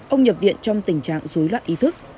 ông nhập viện trong tình trạng dối loạn ý thức